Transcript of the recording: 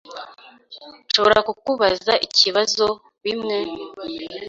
Nshobora kukubaza ibibazo bimwe?